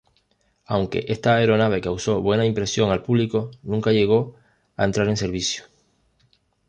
Aunque esta aeronave causó buena impresión al público, nunca llegó a entrar en servicio.